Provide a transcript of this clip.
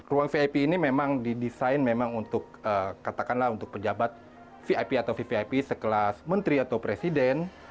ruang vip ini memang didesain memang untuk katakanlah untuk pejabat vip atau vvip sekelas menteri atau presiden